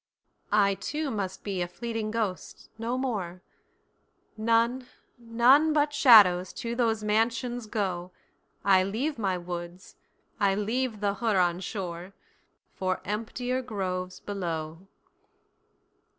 I too must be a fleeting ghost—no more—None, none but shadows to those mansions go;I leave my woods, I leave the Huron shore, For emptier groves below!